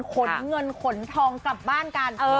ขนเงินขนทองกลับบ้านกัน